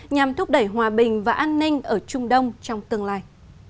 nhằm thúc đẩy hòa bình và an ninh ở trung đông trong tương lai